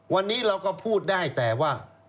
วันนี้เราก็พูดได้แต่ว่า